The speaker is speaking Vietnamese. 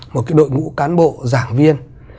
một cái đội ngũ cán bộ giảng viên